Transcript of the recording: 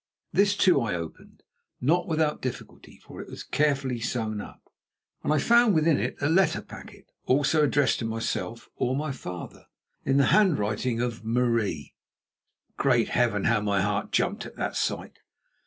This, too, I opened, not without difficulty, for it was carefully sewn up, and found within it a letter packet, also addressed to myself or my father, in the handwriting of Marie. Great Heaven! How my heart jumped at that sight!